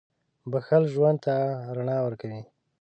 • بښل ژوند ته رڼا ورکوي.